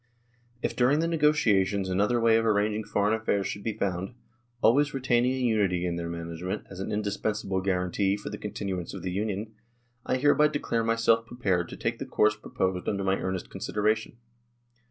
" If during the negotiations another way of arranging foreign affairs should be found, always retaining a unity in their management as an indispensable guarantee for the continuance of the Union, I hereby declare myself prepared to take the course proposed under my earnest consideration."